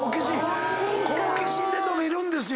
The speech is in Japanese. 好奇心で伸びるんですよ。